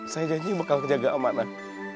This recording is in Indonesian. saya janji bakal kejagaan amanah